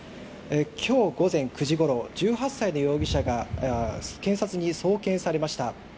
今日午前９時ごろ１８歳の容疑者が検察に送検されました。